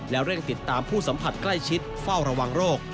และเร่งติดตามผู้สัมผัสใกล้ชิดเฝ้าระวังโรค